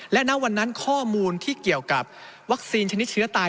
และณวันนั้นข้อมูลที่เกี่ยวกับวัคซีนชนิดเชื้อตาย